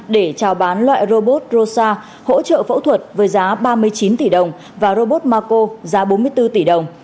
để trao bán loại robot rosa hỗ trợ phẫu thuật với giá ba mươi chín tỷ đồng và robot mako giá bốn mươi bốn tỷ đồng